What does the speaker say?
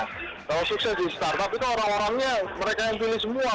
kalau sukses di startup itu orang orangnya mereka yang pilih semua